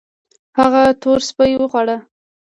هغه تور سپي وخواړه